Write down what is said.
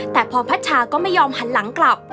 แต่พรพัชชาก็ไม่ยอมหันหลังกลับ